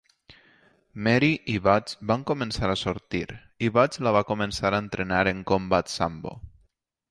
Mary i Butch van començar a sortir, i Butch la va començar a entrenar en Combat Sambo.